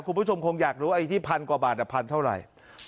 คุณผู้ชมคงอยากรู้ภาคอีที่๑๐๐๐กว่าบาทสัก๑๐๐๐เท่าไร